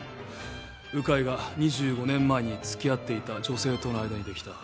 鵜飼が２５年前に付き合っていた女性との間にできた。